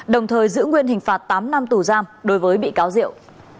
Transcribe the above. đồng thời giữ nguyên hình phạt tám năm tù giam đối với bị cáo diệu